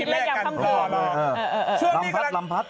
ลำพัดลำพัด